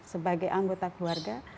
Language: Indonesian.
sebagai anggota keluarga